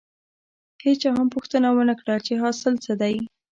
هېچا هم پوښتنه ونه کړه چې حاصل څه دی.